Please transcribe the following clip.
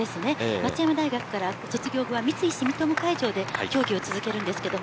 松山大学から卒業後は三井住友海上で競技を続けます。